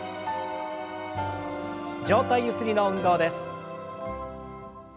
上体ゆすりの運動です。